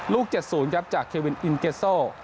ลูกเจ็ดศูนย์ครับจากเควินอิเนชซ์โซ่